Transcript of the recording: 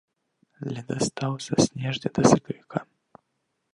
Ледастаў са снежня да сакавіка.